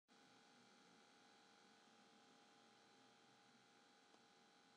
Nei fjouwer oere nachts meie der gjin minsken mear yn litten wurde.